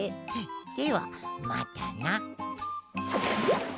ではまたな。